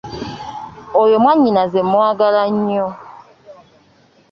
Oyo mwannyinaze mwagala nnyo.